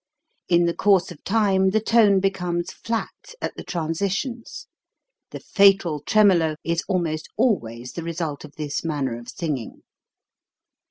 In the course of time the tone becomes flat at the transitions. The fatal tremolo is almost always the result of this manner of singing.